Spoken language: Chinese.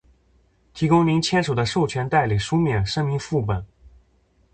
提供您签署的授权代理书面声明副本；